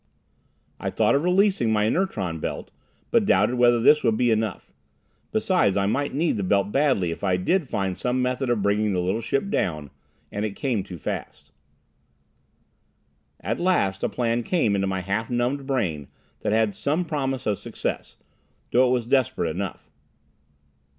I thought of releasing my inertron belt, but doubted whether this would be enough. Besides I might need the belt badly if I did find some method of bringing the little ship down, and it came too fast. At last a plan came into my half numbed brain that had some promise of success, though it was desperate enough.